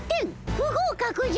不合格じゃ。